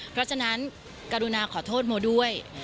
เพราะฉะนั้นกรุณาขอโทษโมด้วย